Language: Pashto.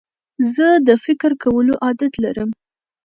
زه د فکر کولو عادت لرم.